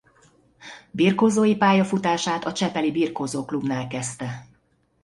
Birkózói pályafutását a Csepeli Birkózó Clubnál kezdte.